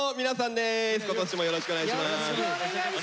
よろしくお願いします！